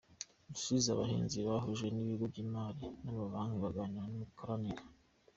Rusizi Abahinzi bahujwe n’ibigo by’imari n’amabanki baganira ku mikoranire